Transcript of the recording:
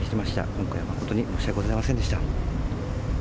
今回、誠に申し訳ございませんでした。